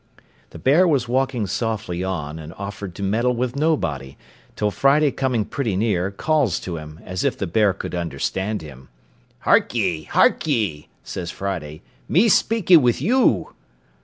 The bear was walking softly on, and offered to meddle with nobody, till Friday coming pretty near, calls to him, as if the bear could understand him. "Hark ye, hark ye," says Friday, "me speakee with you."